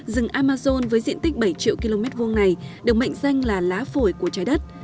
rừng amazon với diện tích bảy triệu km hai này được mệnh danh là lá phổi của trái đất